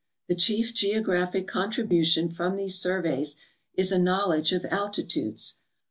The chief geographic contribution from these surveys is a knowledge of altitudes.